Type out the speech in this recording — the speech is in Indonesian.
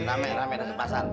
ramai ramai ada sepasan